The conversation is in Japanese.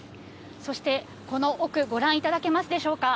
そしてこの奥、ご覧いただけますでしょうか。